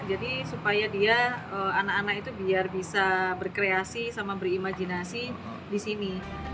jadi supaya dia anak anak itu biar bisa berkreasi sama berimajinasi di sini